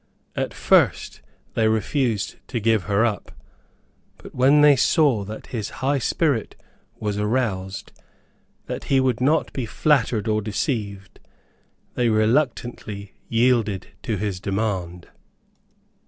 At first they refused to give her up, but when they saw that his high spirit was aroused that he would not be flattered or deceived, they reluctantly yielded to his demand."